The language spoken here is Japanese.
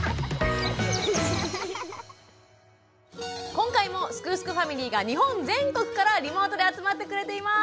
今回も「すくすくファミリー」が日本全国からリモートで集まってくれています。